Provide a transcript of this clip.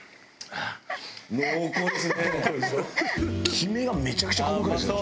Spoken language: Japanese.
きめがめちゃくちゃ細かいですね